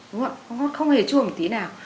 rau ngót không hề chua một tí nào